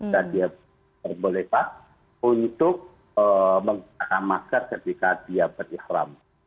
dan dia terbolehkan untuk menggunakan masker ketika dia berikhram